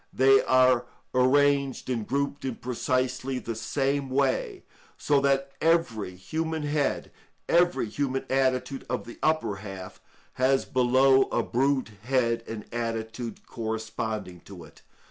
They are arranged and grouped in precisely the same way; so that every human head, every human attitude of the upper half, has below a brute head and attitude corresponding to it.